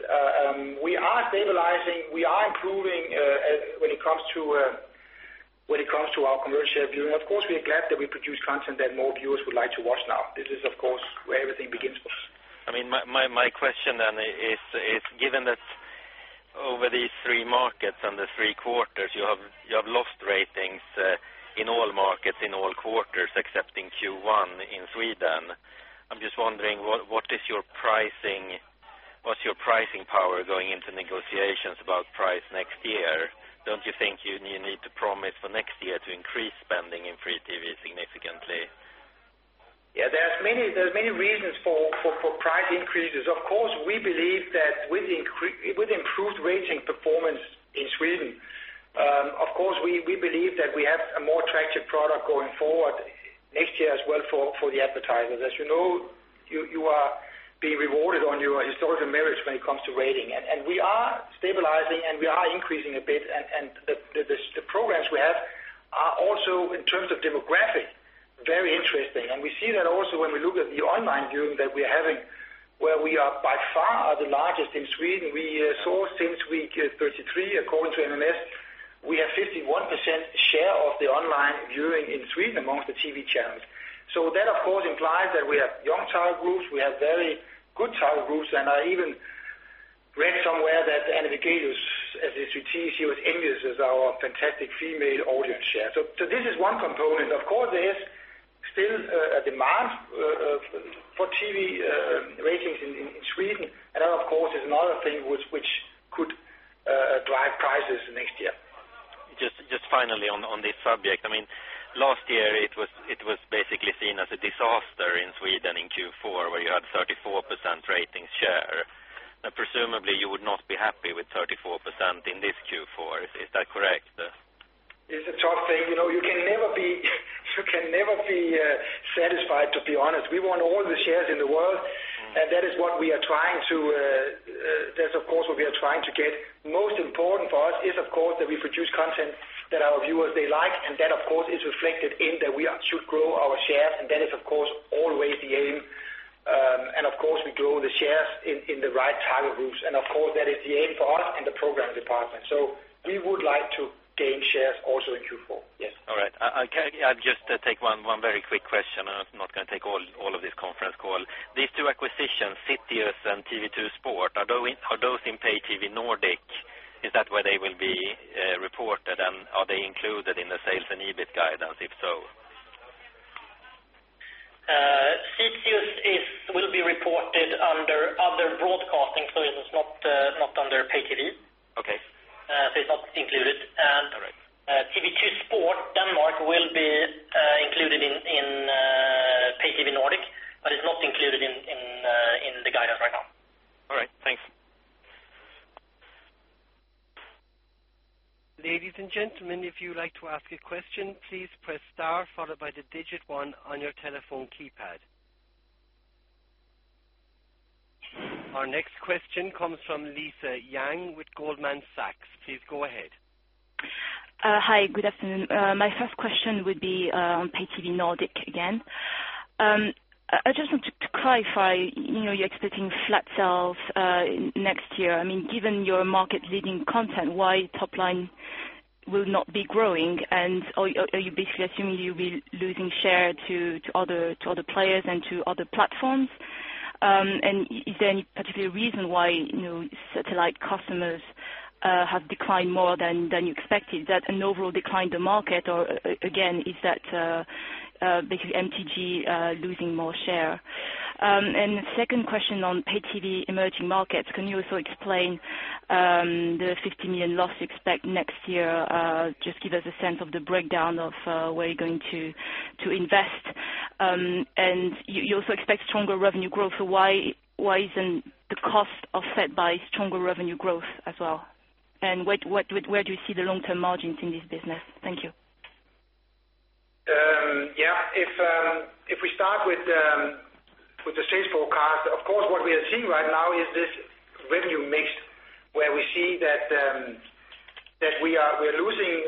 We are stabilizing. We are improving when it comes to our commercial viewing. Of course, we are glad that we produce content that more viewers would like to watch now. This is, of course, where everything begins for us. My question then is, given that over these three markets and the three quarters, you have lost ratings in all markets, in all quarters, except in Q1 in Sweden. Just wondering, what's your pricing power going into negotiations about price next year? Don't you think you need to promise for next year to increase spending in free TV significantly? There are many reasons for price increases. With improved rating performance in Sweden, of course we believe that we have a more attractive product going forward next year as well for the advertisers. As you know, you are being rewarded on your historical merits when it comes to rating. We are stabilizing, and we are increasing a bit. The programs we have are also, in terms of demographic, very interesting. We see that also when we look at the online viewing that we're having, where we are by far the largest in Sweden. We saw since week 33, according to MMS, we have 51% share of the online viewing in Sweden amongst the TV channels. That, of course, implies that we have young target groups. We have very good target groups. I even read somewhere that Anna Digges, as you see she was English, is our fantastic female audience share. This is one component. Of course, there's still a demand for TV ratings in Sweden, and that, of course, is another thing which could drive prices next year. Just finally on this subject. Last year it was basically seen as a disaster in Sweden in Q4, where you had 34% rating share. Presumably you would not be happy with 34% in this Q4. Is that correct? It's a tough thing. You can never be satisfied, to be honest. We want all the shares in the world. That is what we are trying to get. Most important for us is that we produce content that our viewers they like. That, of course, is reflected in that we should grow our shares, and that is always the aim. Of course, we grow the shares in the right target groups. That is the aim for us in the program department. We would like to gain shares also in Q4. Yes. All right. I'll just take one very quick question, I'm not going to take all of this conference call. These two acquisitions, Zitius and TV 2 Sport, are those in Pay TV Nordic? Is that where they will be reported? Are they included in the sales and EBIT guidance, if so? Zitius will be reported under broadcasting services, not under Pay TV. Okay. It's not included. All right. TV 2 Sport, Denmark will be included in Pay TV Nordic, but it is not included in the guidance right now. All right, thanks. Ladies and gentlemen, if you would like to ask a question, please press star followed by the digit 1 on your telephone keypad. Our next question comes from Lisa Yang with Goldman Sachs. Please go ahead. Hi, good afternoon. My first question would be on Pay TV Nordic again. I just want to clarify, you are expecting flat sales next year. Given your market leading content, why top line will not be growing? Are you basically assuming you will be losing share to other players and to other platforms? Is there any particular reason why satellite customers have declined more than you expected? Is that an overall decline in the market, or again, is that basically MTG losing more share? The second question on Pay TV emerging markets. Can you also explain the 50 million loss you expect next year? Just give us a sense of the breakdown of where you are going to invest. You also expect stronger revenue growth. Why is not the cost offset by stronger revenue growth as well? Where do you see the long-term margins in this business? Thank you. If we start with the sales forecast, of course, what we are seeing right now is this revenue mix where we see that we're losing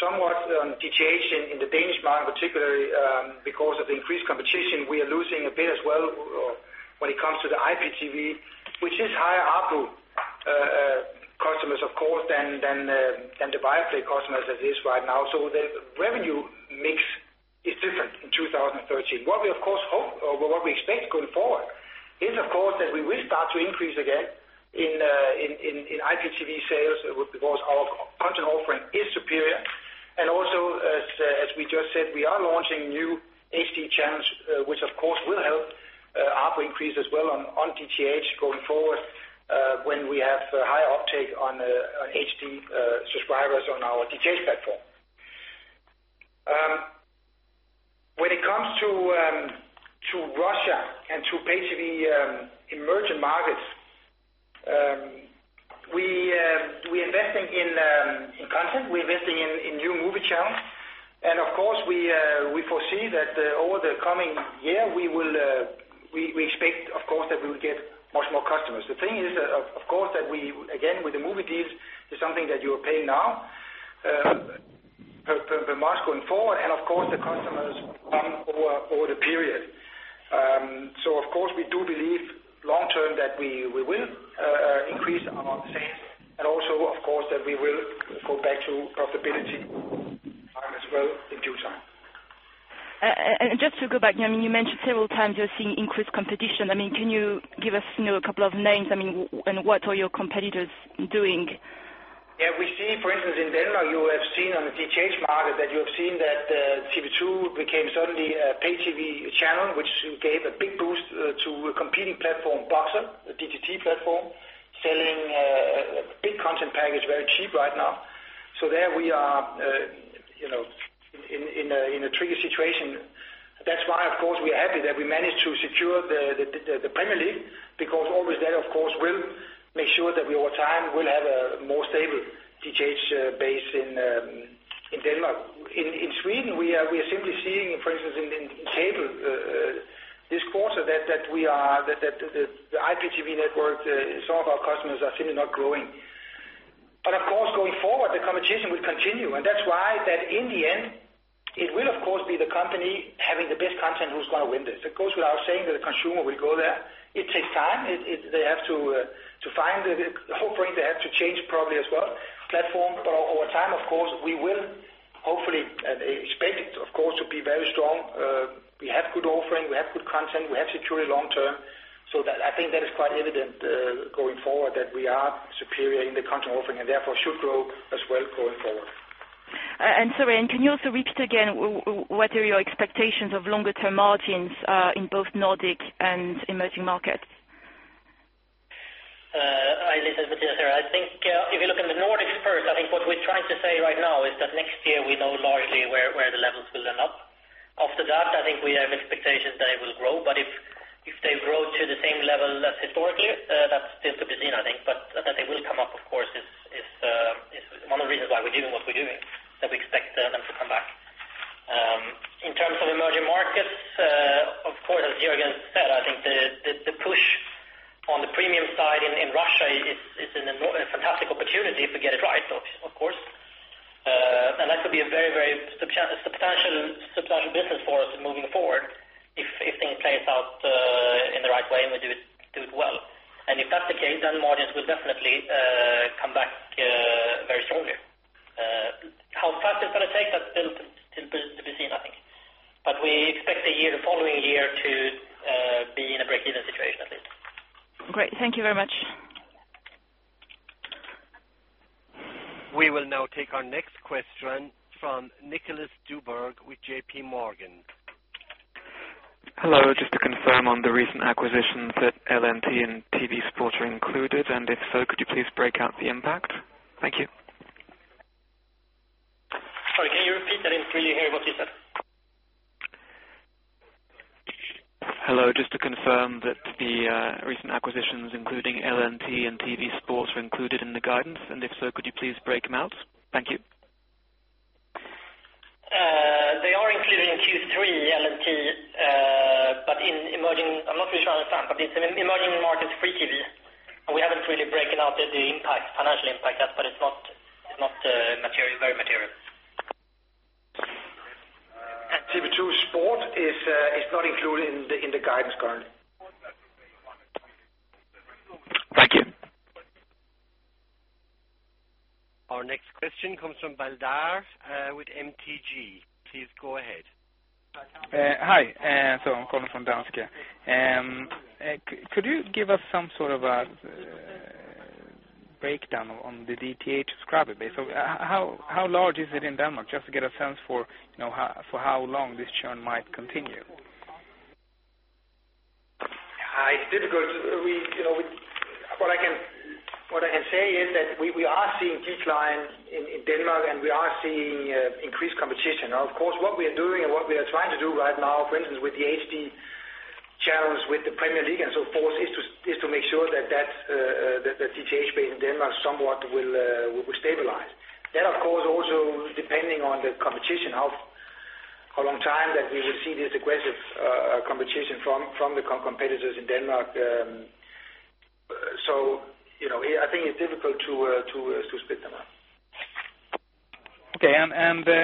somewhat on DTH in the Danish market, particularly because of the increased competition. We are losing a bit as well when it comes to the IPTV, which is higher ARPU customers, of course, than the Viaplay customers as is right now. So the revenue mix is different in 2013. What we expect going forward is that we will start to increase again in IPTV sales, because our content offering is superior. And also as we just said, we are launching new HD channels, which of course will help ARPU increase as well on DTH going forward, when we have high uptake on HD subscribers on our DTH platform. When it comes to Russia and to Pay TV emerging markets, we're investing in content. We're investing in new movie channels. And of course, we foresee that over the coming year, we expect that we will get much more customers. The thing is that again, with the movie deals, it's something that you are paying now per month going forward. And of course, the customers come over the period. So we do believe long-term that we will increase among sales, and also that we will go back to profitability time as well in due time. Just to go back, you mentioned several times you're seeing increased competition. Can you give us a couple of names? And what are your competitors doing? We see, for instance, in Denmark, you have seen on the DTH market that you have seen that TV 2 became suddenly a pay TV channel, which gave a big boost to a competing platform, Boxer, a DTT platform, selling a big content package very cheap right now. So there we are in a tricky situation. That's why, of course, we're happy that we managed to secure the Premier League, because always that, of course, will make sure that over time we'll have a more stable DTH base in Denmark. In Sweden, we are simply seeing, for instance, in cable this quarter that the IPTV network, some of our customers are simply not growing. But of course, going forward, the competition will continue, and that's why that in the end, it will, of course, be the company having the best content who's going to win this. Of course, we are saying that the consumer will go there. It takes time. They have to find the whole point. They have to change probably as well, platform. Over time, of course, we will hopefully expect it, of course, to be very strong. We have good offering, we have good content, we have security long term. I think that is quite evident going forward, that we are superior in the content offering and therefore should grow as well going forward. Soren, can you also repeat again what are your expectations of longer term margins in both Nordic and emerging markets? I listened to this here. I think if you look at the Nordics first, I think what we're trying to say right now is that next year we know largely where the levels will end up. After that, I think we have expectations that it will grow. If they grow to the same level as historically, that's still to be seen, I think. That they will come up, of course, is one of the reasons why we're doing what we're doing, that we expect them to come back. In terms of emerging markets, of course, as Jørgen said, I think the push on the premium side in Russia is a fantastic opportunity if we get it right, of course. That could be a very, very substantial business for us moving forward if things play out in the right way and we do it well. If that's the case, margins will definitely come back very strongly. How fast it's going to take, that's still to be seen, I think. We expect the following year to be in a break-even situation, at least. Great. Thank you very much. We will now take our next question from Niklas Djuberg with JP Morgan. Hello. Just to confirm on the recent acquisitions that LNT and TV 2 Sport are included, if so, could you please break out the impact? Thank you. Sorry, can you repeat that? I didn't really hear what you said. Hello. Just to confirm that the recent acquisitions, including LNT and TV 2 Sport, are included in the guidance, and if so, could you please break them out? Thank you. They are included in Q3, LNT. I'm not really sure I understand. It's an emerging markets Free-TV. We haven't really broken out the financial impact yet. It's not very material. TV 2 Sport is not included in the guidance currently. Thank you. Our next question comes from Baldar with MTG. Please go ahead. Hi. I'm calling from Danske. Could you give us some sort of a breakdown on the DTH subscriber base? How large is it in Denmark? Just to get a sense for how long this churn might continue. It's difficult. What I can say is that we are seeing decline in Denmark, and we are seeing increased competition. What we are doing and what we are trying to do right now, for instance, with the HD channels, with the Premier League and so forth, is to make sure that the DTH base in Denmark somewhat will stabilize. Of course, also depending on the competition, how long time that we will see this aggressive competition from the competitors in Denmark. I think it's difficult to split them up. Okay.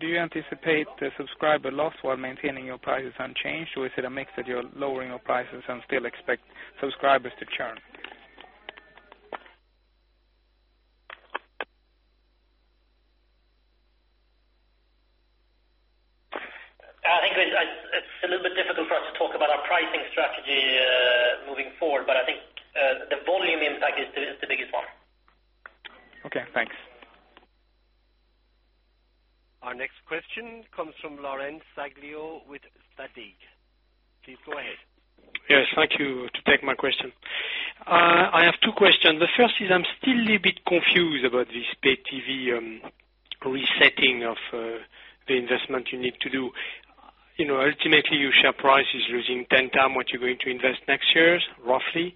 Do you anticipate the subscriber loss while maintaining your prices unchanged? Or is it a mix that you're lowering your prices and still expect subscribers to churn? I think it's a little bit difficult for us to talk about our pricing strategy moving forward, but I think the volume impact is the biggest one. Okay, thanks. Our next question comes from Laurent Saglio with Oddo. Please go ahead. Thank you to take my question. I have two questions. The first is I'm still a little bit confused about this pay TV resetting of the investment you need to do. Ultimately, your share price is losing 10 times what you're going to invest next year, roughly,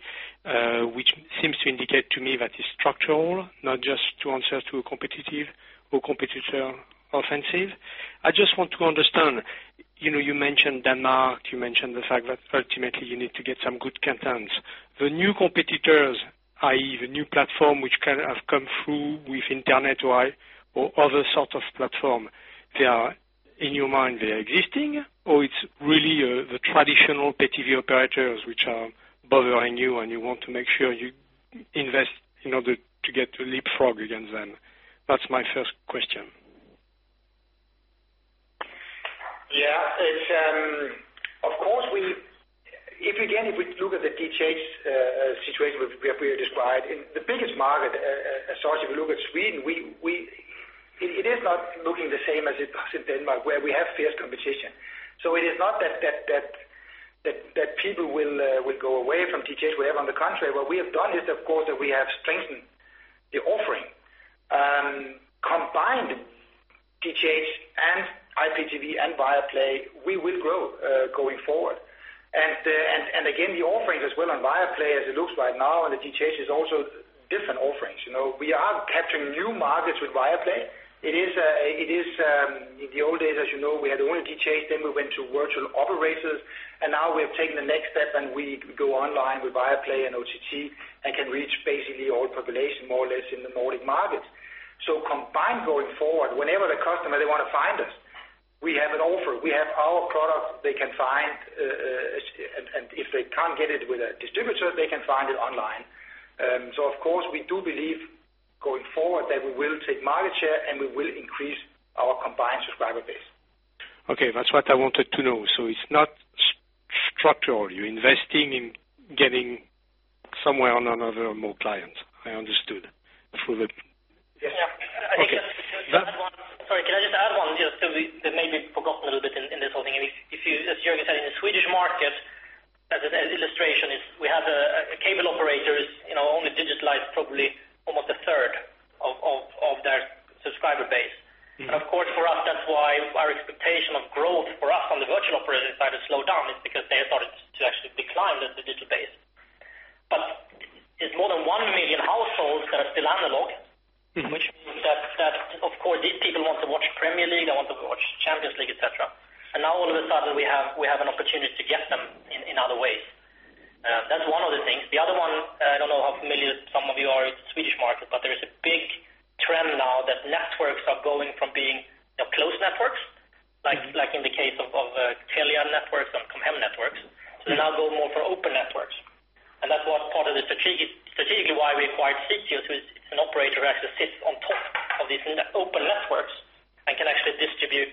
which seems to indicate to me that it's structural, not just to answer to a competitive or competitor offensive. I just want to understand. You mentioned Denmark, you mentioned the fact that ultimately you need to get some good content. The new competitors, i.e. the new platform which have come through with internet or other sort of platform, in your mind they are existing? Or it's really the traditional pay TV operators which are bothering you and you want to make sure you invest in order to get to leapfrog against them? That's my first question. If we look at the DTH situation we have described in the biggest market, Czech, if you look at Sweden, it is not looking the same as it does in Denmark where we have fierce competition. It is not that people will go away from DTH. On the contrary, what we have done is, of course, that we have strengthened the offering. Combined DTH and IPTV and Viaplay, we will grow going forward. Again, the offerings as well on Viaplay as it looks right now and the DTH is also different offerings. We are capturing new markets with Viaplay. In the old days, as you know, we had only DTH, then we went to virtual operators, now we have taken the next step and we go online with Viaplay and OTT and can reach basically all population more or less in the Nordic markets. Combined going forward, whenever the customer they want to find us, we have an offer. We have our product they can find, and if they can't get it with a distributor, they can find it online. Of course, we do believe going forward that we will take market share and we will increase our combined subscriber base. Okay. That's what I wanted to know. It's not structural. You're investing in getting somewhere or another more clients. I understood. Yeah. Okay. Sorry, can I just add one just so we maybe forgot a little bit in this whole thing. If you, as Jørgen said, in the Swedish market, as an illustration is we have the cable operators only digitized probably almost a third of their subscriber base. for us that's why our expectation of growth for us on the virtual operator side has slowed down is because they have started to actually decline as the digital base. It's more than 1 million households that are still analog. means that, of course, these people want to watch Premier League, they want to watch Champions League, et cetera. Now all of a sudden we have an opportunity to get them in other ways. That's one of the things. The other one, I don't know how familiar some of you are with the Swedish market, there is a big trend now that networks are going from being close networks, like in the case of Telia networks and Com Hem networks. now go more for open networks. That's what part of the strategically why we acquired Zitius, who is an operator who actually sits on top of these open networks and can actually distribute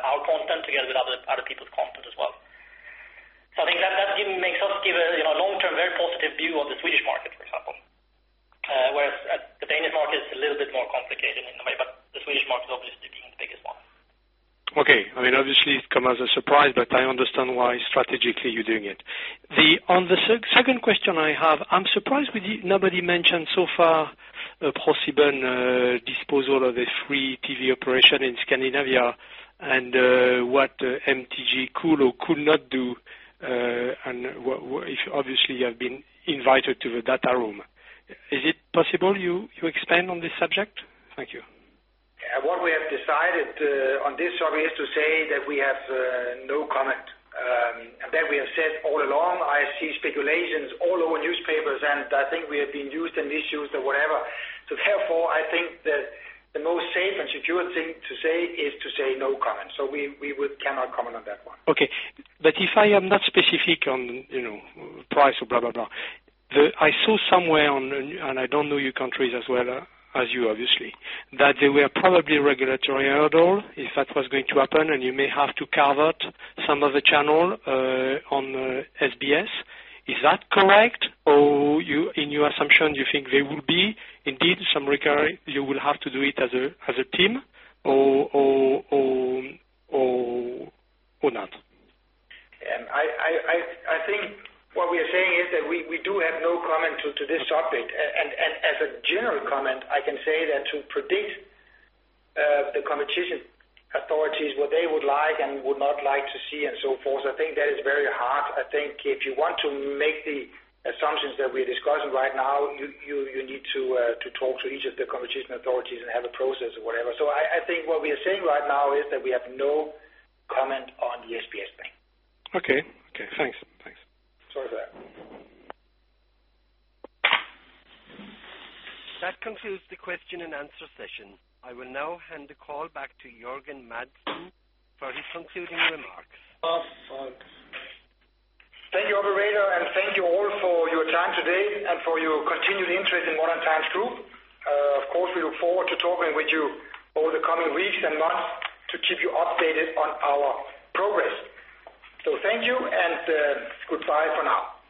our content together with other people's content as well. I think that gives me a long-term, very positive view of the Swedish market, for example. Whereas the Danish market is a little bit more complicated in a way, the Swedish market is obviously being the biggest one. Okay. Obviously it come as a surprise, I understand why strategically you're doing it. On the second question I have, I'm surprised nobody mentioned so far a possible disposal of a free TV operation in Scandinavia and what MTG could or could not do, and if obviously you have been invited to the data room. Is it possible you expand on this subject? Thank you. What we have decided on this, sorry, is to say that we have no comment. That we have said all along, I see speculations all over newspapers, and I think we have been used in issues or whatever. Therefore, I think that the most safe and secure thing to say is to say no comment. We cannot comment on that one. Okay. If I am not specific on price or blah, blah. I saw somewhere on, I don't know your countries as well as you obviously, that there were probably regulatory hurdle if that was going to happen, and you may have to cover some of the channel on SBS. Is that correct? In your assumption, you think there will be indeed some regulatory, you will have to do it as a team or not? I think what we are saying is that we do have no comment to this topic. As a general comment, I can say that to predict the competition authorities, what they would like and would not like to see and so forth, I think that is very hard. I think if you want to make the assumptions that we're discussing right now, you need to talk to each of the competition authorities and have a process or whatever. I think what we are saying right now is that we have no comment on the SBS back. Okay. Thanks. Sorry for that. That concludes the question and answer session. I will now hand the call back to Jørgen Madsen for his concluding remarks. Thank you, operator, and thank you all for your time today and for your continued interest in Modern Times Group. Of course, we look forward to talking with you over the coming weeks and months to keep you updated on our progress. Thank you and goodbye for now.